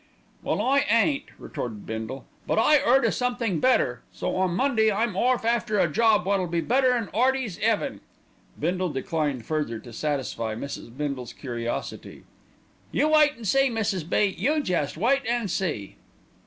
"Well, I ain't," retorted Bindle; "but I 'eard o' somethink better, so on Monday I'm orf after a job wot'll be better'n 'Earty's 'eaven." Bindle declined further to satisfy Mrs. Bindle's curiosity. "You wait an' see, Mrs. B., you jest wait an' see."